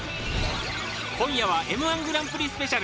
今夜は Ｍ−１ グランプリスペシャル